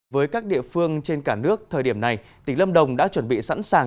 với các địa phương trên cả nước thời điểm này tỉnh lâm đồng đã chuẩn bị sẵn sàng